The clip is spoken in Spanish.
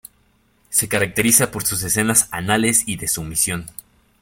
Se caracteriza por sus escenas anales y de sumisión.